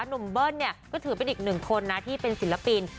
เบิ้ลเนี่ยก็ถือเป็นอีกหนึ่งคนนะที่เป็นศิลปิน